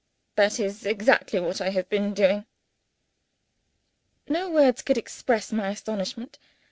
"That is exactly what I have been doing." No words could express my astonishment.